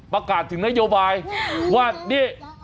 ประกาศถึงนโยบายว่านี่